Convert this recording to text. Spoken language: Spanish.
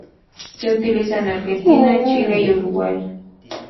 Se utiliza en Argentina, Chile y Uruguay.